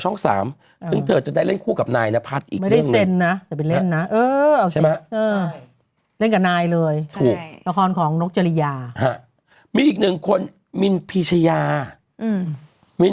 ช่องสามซึ่งเธอจะได้เล่นคู่กับนายนภัทรอีกนึงไม่ได้